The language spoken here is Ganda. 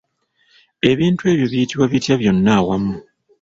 Ebintu ebyo biyitibwa bitya byonna awamu?